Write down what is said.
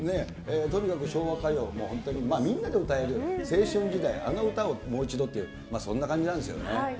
とにかく昭和歌謡、本当にみんなで歌える青春時代、あの歌をもう一度という、そんな感じなんですよね。